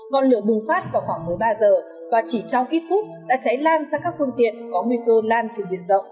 ngọn lửa bùng phát vào khoảng một mươi ba giờ và chỉ trong ít phút đã cháy lan sang các phương tiện có nguy cơ lan trên diện rộng